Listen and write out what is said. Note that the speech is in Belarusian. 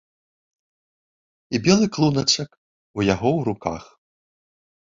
І белы клуначак у яго ў руках.